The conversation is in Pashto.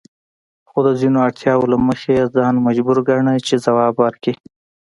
خو د ځینو اړتیاوو له مخې یې ځان مجبور ګاڼه چې ځواب ورکړي.